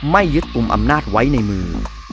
ไม่ยึดกลุ่มอำนาจไว้ในมือ